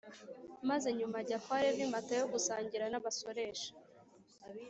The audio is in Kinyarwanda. maze nyuma ajya kwa levi matayo gusangira n’abasoresha